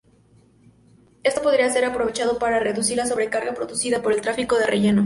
Esto podría ser aprovechado para reducir la sobrecarga producida por el tráfico de relleno.